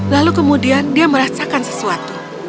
lalu kemudian dia merasakan sesuatu